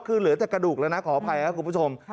คือเหลือแต่กระดูกแล้วนะขออภัยครับคุณผู้ชม